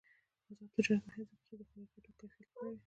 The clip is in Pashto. آزاد تجارت مهم دی ځکه چې د خوراکي توکو کیفیت لوړوي.